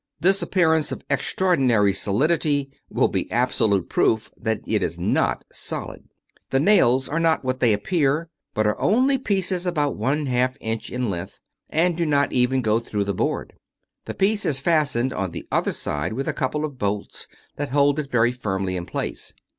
This appearance of extraordinary solidity will be absolute proof that it is not solid. The nails are not what they appear, but are only pieces about one half inch in length, and do not even go through the board. The piece is fastened on the other side with a couple of bolts that hold it very firmly in place.